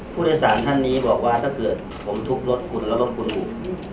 ผู้โดยสารท่านนี้บอกว่าถ้าเกิดผมทุบรถคุณแล้วรถคุณถูก